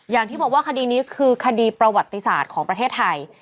อย่างที่บอกว่าคดีนี้คือคดีประวัติศาสตร์ของประเทศไทย